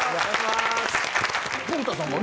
古田さんがね